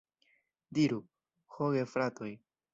Diru, ho gefratoj!